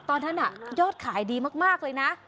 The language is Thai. ตอนนั้นยอดขายดีมากเลยนะ